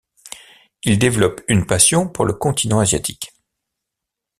Il développe une passion pour le continent asiatique.